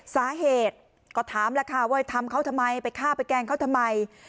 สาเหตุก็ถามแล้วค่ะว่าทำเขาทำไมไปฆ่าไปแกล้งเขาทำไม